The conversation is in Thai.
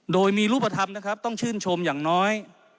โดยมีรูปธรรมนะครับต้องชื่นชมอย่างน้อย